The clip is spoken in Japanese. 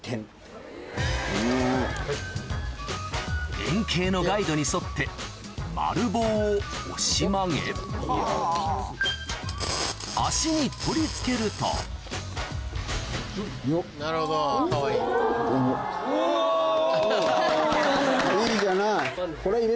円形のガイドに沿って丸棒を押し曲げ脚に取り付けるといいじゃない。